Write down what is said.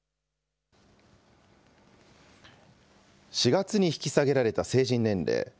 ４月に引き下げられた成人年齢。